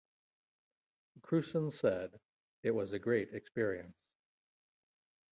Krusen said, It was a great experience.